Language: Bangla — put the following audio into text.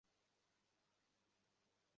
তাঁরা আমাকে এক চিঠি লেখেন।